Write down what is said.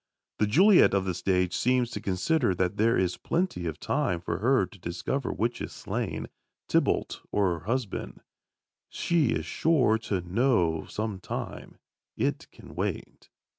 The Juliet of the stage seems to consider that there is plenty of time for her to discover which is slain Tybalt or her husband; she is sure to know some time; it can wait.